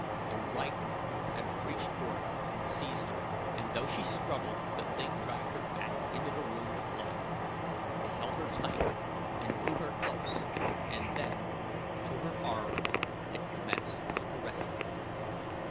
The rykor had reached forth and seized her, and though she struggled the thing dragged her back into the room with Luud. It held her tight and drew her close, and then, to her horror, it commenced to caress her.